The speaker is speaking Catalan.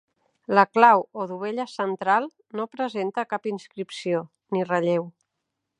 La clau o dovella central no presenta cap inscripció, ni relleu.